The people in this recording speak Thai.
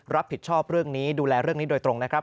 รับผิดชอบเรื่องนี้ดูแลเรื่องนี้โดยตรงนะครับ